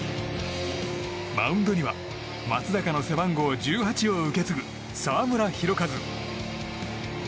マウンドには松坂の背番号１８を受け継ぐ澤村拓一。